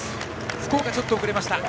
福岡はちょっと遅れました。